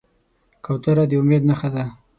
کوتره د امید نښه ده.